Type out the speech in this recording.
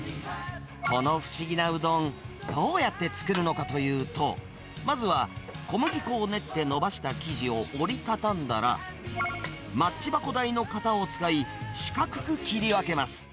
この不思議なうどん、どうやって作るのかというと、まずは、小麦粉を練ってのばした生地を折り畳んだら、マッチ箱大の型を使い、四角く切り分けます。